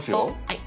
はい。